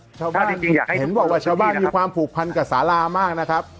ถ้าจริงจริงอยากให้ทุกคนลงพื้นที่นะครับชาวบ้านมีความผูกพันกับสาลามากนะครับ